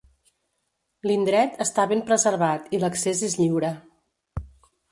L'indret està ben preservat i l'accés és lliure.